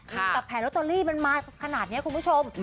แต่แผงลอตเตอรี่มันมาขนาดนี้คุณผู้ชม